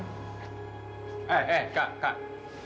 eh eh kak kak